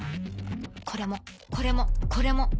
これもこれもこれも。